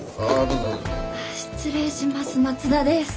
失礼します松田です。